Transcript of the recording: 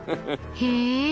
へえ。